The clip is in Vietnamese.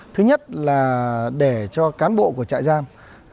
thứ nhất là để cho cán bộ của trại giam